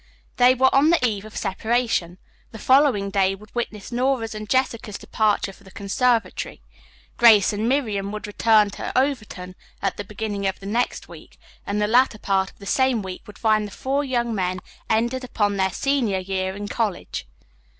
They were on the eve of separation. The following day would witness Nora's and Jessica's departure for the conservatory. Grace and Miriam would return to Overton at the beginning of the next week, and the latter part of the same week would find the four young men entered upon their senior year in college.